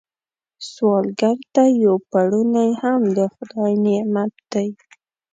سوالګر ته یو پړونی هم د خدای نعمت دی